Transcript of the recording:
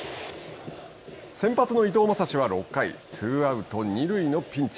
先発の伊藤将司は６回ツーアウト、二塁のピンチ。